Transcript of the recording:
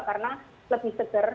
karena lebih seger